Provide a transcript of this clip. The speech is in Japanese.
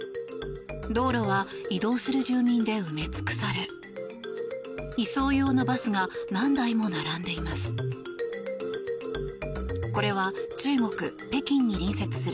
道路は移動する住民で埋め尽くされ移送用のバスが何台も並んでいます。